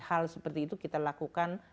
hal seperti itu kita lakukan